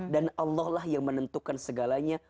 dan allah yang menentukan segalanya